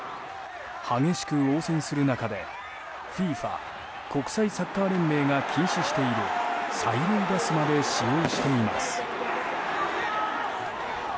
激しく応戦する中でＦＩＦＡ・国際サッカー連盟が禁止している催涙ガスまで使用しています。